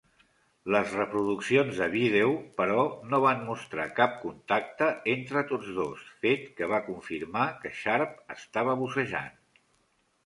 Les reproduccions de vídeo, però, no van mostrar cap contacte entre tots dos, fet que va confirmar que Sharp estava bussejant.